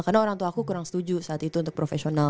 karena orang tua aku kurang setuju saat itu untuk profesional